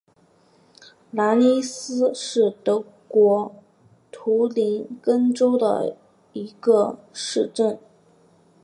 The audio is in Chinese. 拉尼斯是德国图林根州的一个市镇。